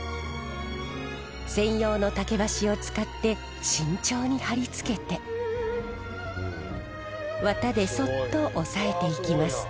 専用の竹箸を使って慎重に貼り付けて綿でそっと押さえていきます。